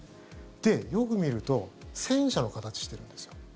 で、よく見ると戦車の形してるんですよ。